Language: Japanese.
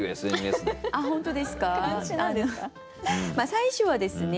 最初はですね